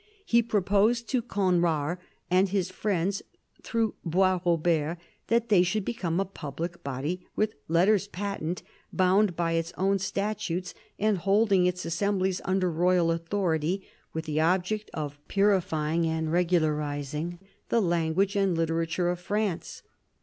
He proposed to Conrart and his friends, through Boisrobert, that they should become a public body with letters patent, bound by its own statutes and holding its assemblies under royal authority, with the object of purifying and regularising the language and literature of France.